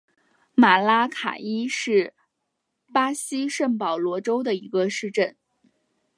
马拉卡伊是巴西圣保罗州的一个市镇。